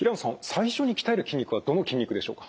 最初に鍛える筋肉はどの筋肉でしょうか。